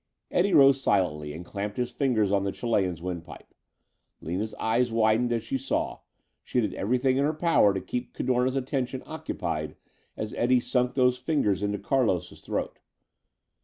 Eddie rose silently and clamped his fingers on the Chilean's windpipe. Lina's eyes widened as she saw. She did everything in her power to keep Cadorna's attention occupied as Eddie sunk those fingers into Carlos' throat.